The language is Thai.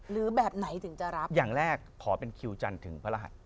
หรือแบบไหนถึงจะรับอย่างแรกขอเป็นคิวจันทร์ถึงพระรหัส